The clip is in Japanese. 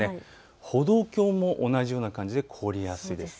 歩道橋も同じような感じで凍りやすいです。